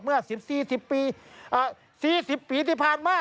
เมื่อ๑๔๐ปีที่ผ่านมา